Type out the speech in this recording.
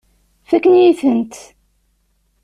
Fakken-iyi-tent.